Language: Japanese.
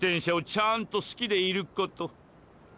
ちゃんと好きでいるコト。